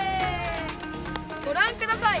ごらんください！